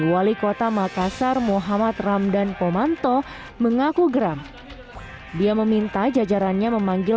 wali kota makassar muhammad ramdan pomanto mengaku geram dia meminta jajarannya memanggil